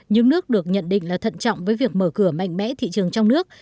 những nước được nhận định là thận trọng với việc mở cửa mạnh mẽ thị trường trong nước